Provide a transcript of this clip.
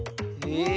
え